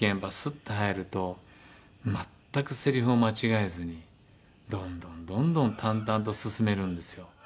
ッて入ると全くせりふを間違えずにどんどんどんどん淡々と進めるんですよ。